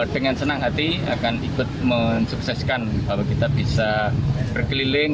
dengan senang hati akan ikut mensukseskan bahwa kita bisa berkeliling